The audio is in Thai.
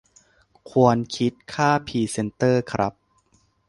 ควรคิดค่าพรีเซนเตอร์ครับ